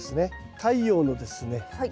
太陽のですね